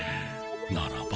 ならば。